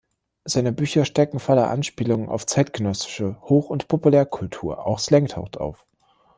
Seine Bücher stecken voller Anspielungen auf zeitgenössische Hoch- und Populärkultur, auch Slang taucht auf.